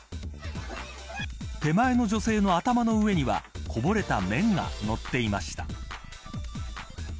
手前の女性の頭の上にはこぼれた麺が載っていました。